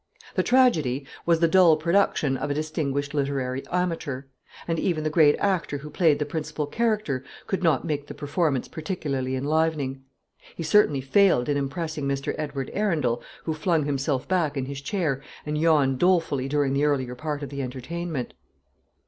The tragedy was the dull production of a distinguished literary amateur, and even the great actor who played the principal character could not make the performance particularly enlivening. He certainly failed in impressing Mr. Edward Arundel, who flung himself back in his chair and yawned dolefully during the earlier part of the entertainment.